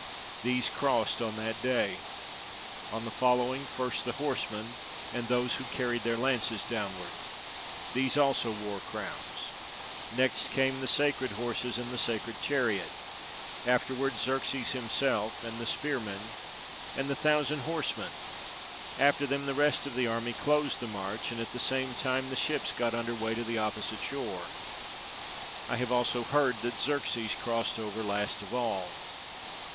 These crossed on that day. On the following, first the horse men, and those who carried their lances downward: these also wore crowns; next came the sacred horses and the sacred chariot; afterward Xerxes himself, and the spear men, and the thousand horsemen; after them the rest of the army closed the march, and at the same time the ships got under weigh to the opposite shore. I have also heard that Xerxes crossed over last of all.